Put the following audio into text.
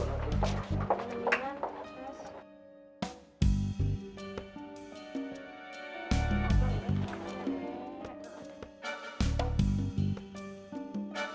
sampai jumpa di video selanjutnya